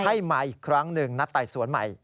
ให้มาอีกครั้งหนึ่งนัดไต่สวนใหม่